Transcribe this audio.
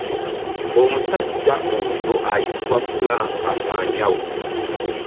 Omusajja oyo ayitibwa Frank Anyau.